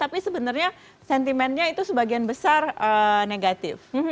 tapi sebenarnya sentimennya itu sebagian besar negatif